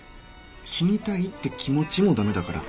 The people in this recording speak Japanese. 死にたいって気持ちも駄目だから。